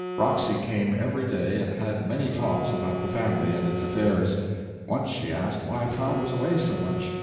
Roxy came every day, and had many talks about the family and its affairs. Once she asked why Tom was away so much.